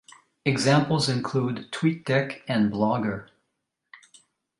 Examples include TweetDeck and Blogger.